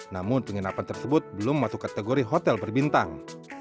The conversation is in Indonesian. namun penginapan tersebut belum masuk kategori hotel berbintang